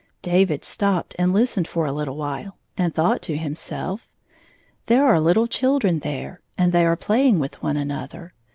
David stopped and listened for a little while, and thought to himself: " There are little children there, and they are playing with one another.